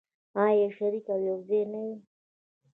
آیا شریک او یوځای نه وي؟